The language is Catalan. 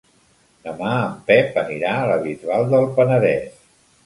Demà en Pep anirà a la Bisbal del Penedès.